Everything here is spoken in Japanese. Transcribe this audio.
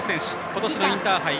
今年のインターハイ